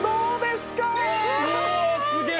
すげえ！